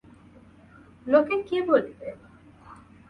লোকে কী বলিবে।